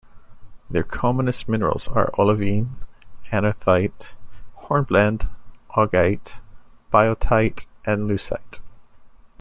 Their commonest minerals are olivine, anorthite, hornblende, augite, biotite and leucite.